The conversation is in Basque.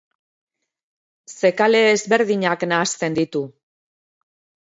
Zekale ezberdinak nahasten ditu.